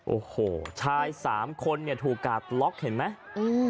โอ้โหวชาย๓คนถูกอาดล็อคเห็นไหม